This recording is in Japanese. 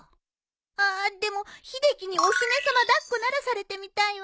あっでも秀樹にお姫さま抱っこならされてみたいわ。